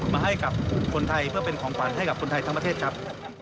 มาให้กับคนไทยเพื่อเป็นของขวัญให้กับคนไทยทั้งประเทศครับ